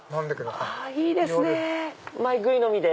あいいですねマイぐい飲みで。